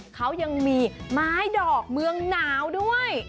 เขายังมีไม้ดอกเมืองหนาวด้วย